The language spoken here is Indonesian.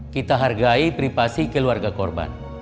kita hargai privasi keluarga korban